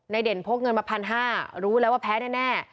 เด่นพกเงินมา๑๕๐๐รู้แล้วว่าแพ้แน่